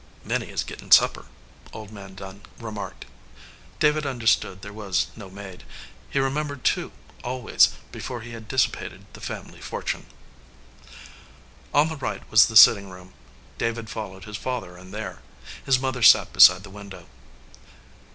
"Minnie is gettin supper," old man Dunn re marked. David understood there was no maid. He remembered two, always, before he had dissi pated the family fortune. On the right was the sitting room. David fol lowed his father in there. His mother sat beside the window.